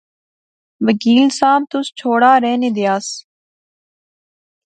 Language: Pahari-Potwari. وکیل صاحب، تس چھوڑا، رہنے دیا س